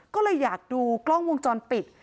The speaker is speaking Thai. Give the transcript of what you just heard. ก็เลยอยากดูกล้องวงจรปิด